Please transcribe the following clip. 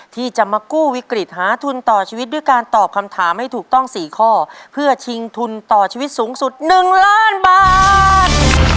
ที่จะมากู้วิกฤตหาทุนต่อชีวิตด้วยการตอบคำถามให้ถูกต้อง๔ข้อเพื่อชิงทุนต่อชีวิตสูงสุด๑ล้านบาท